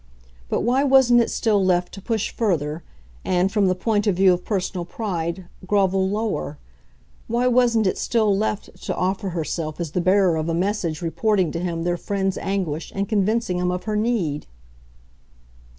But why wasn't it still left to push further and, from the point of view of personal pride, grovel lower? why wasn't it still left to offer herself as the bearer of a message reporting to him their friend's anguish and convincing him of her need?